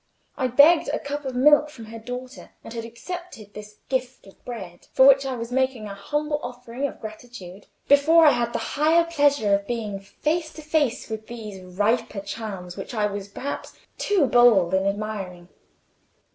I begged a cup of milk from her daughter, and had accepted this gift of bread, for which I was making a humble offering of gratitude, before I had the higher pleasure of being face to face with these riper charms which I was perhaps too bold in admiring."